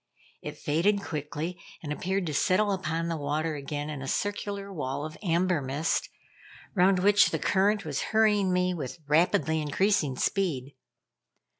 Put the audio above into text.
It faded quickly, and appeared to settle upon the water again in a circular wall of amber mist, round which the current was hurrying me with rapidly increasing speed.